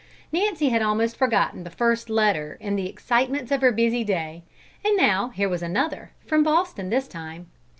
Nancy had almost forgotten the first letter in the excitements of her busy day, and now here was another, from Boston this time.